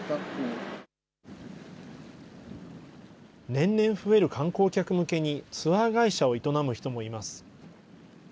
年々増える観光客向けにツアー会社を営む人もいます。